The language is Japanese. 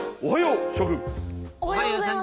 おはよう。